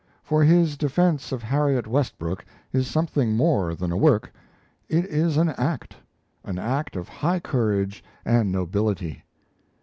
For his defence of Harriet Westbrook is something more than a work, it is an act an act of high courage and nobility.